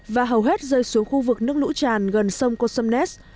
và hầu hết rơi xuống khu vực nước lũ tràn gần sông kosomnes